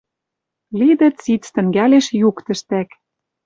Лидӹ циц тӹнгӓлеш юк тӹштӓк.